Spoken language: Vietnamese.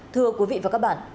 thưa quý vị và các bạn